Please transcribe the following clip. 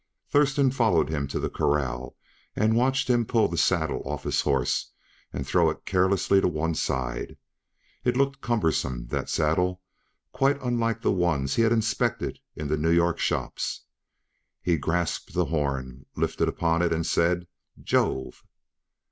Thurston followed him to the corral and watched him pull the saddle off his horse, and throw it carelessly to one side. It looked cumbersome, that saddle; quite unlike the ones he had inspected in the New York shops. He grasped the horn, lifted upon it and said, "Jove!"